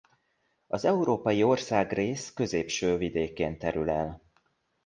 Az európai országrész középső vidékén terül el.